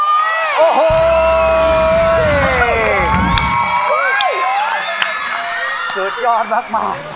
ดียอดมาก